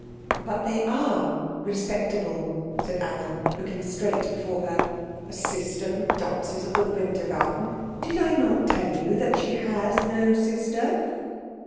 "But they are respectable," said Anna, looking straight before her. "A sister who dances at the Wintergarten " "Did I not tell you that she has no sister?"